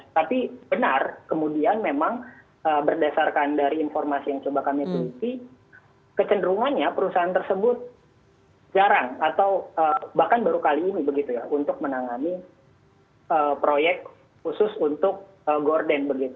tapi benar kemudian memang berdasarkan dari informasi yang coba kami teliti kecenderungannya perusahaan tersebut jarang atau bahkan baru kali ini begitu ya untuk menangani proyek khusus untuk gorden